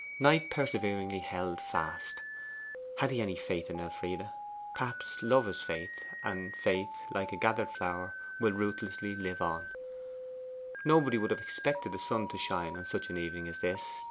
Knight perseveringly held fast. Had he any faith in Elfride? Perhaps. Love is faith, and faith, like a gathered flower, will rootlessly live on. Nobody would have expected the sun to shine on such an evening as this.